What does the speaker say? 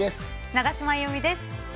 永島優美です。